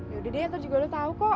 yaudah deh tuh juga lo tau kok